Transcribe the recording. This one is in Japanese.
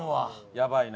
やばいな。